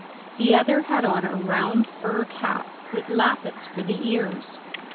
The other had on a round fur cap with lappets for the ears.